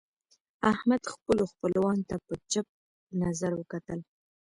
احمد خپلو خپلوانو ته په چپ نظر وکتل.